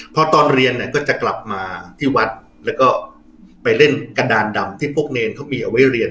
พอตอนเรียนเนี่ยก็จะกลับมาที่วัดแล้วก็ไปเล่นกระดานดำที่พวกเนรเขามีเอาไว้เรียน